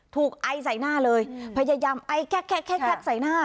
ถูกไอใส่หน้าเลยพยายามไอแคล็กแคล็กแคล็กแคล็กใส่หน้า